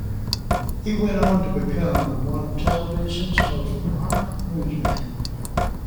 He went on to become "one of television's most prominent newsmen.